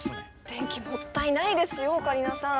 電気もったいないですよオカリナさん。